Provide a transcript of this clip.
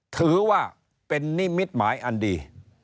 ถือว่าเป็นนิมิตหมายอันดี